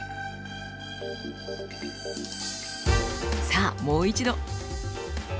さあもう一度。